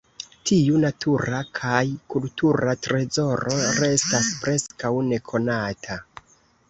Tiu natura kaj kultura trezoro restas preskaŭ nekonata.